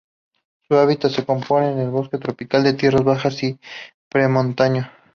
Su hábitat se compone de bosque tropical de tierras bajas y premontano.